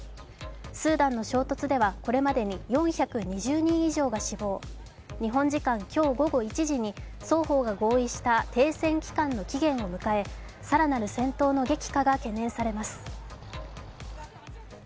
スーダンの衝突ではこれまでに４２０人以上が死亡、日本時間今日午前１時に双方が合意した、停戦期間の期限を迎え更なる戦闘の激化が懸念されます。